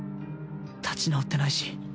立ち直ってないし